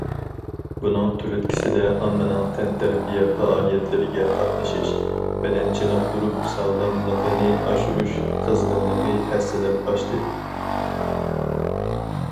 بۇنىڭ تۈرتكىسىدە ئاممىنىڭ تەنتەربىيە پائالىيەتلىرىگە قاتنىشىش، بەدەن چېنىقتۇرۇپ، ساغلاملىقىنى ئاشۇرۇش قىزغىنلىقى ھەسسىلەپ ئاشتى.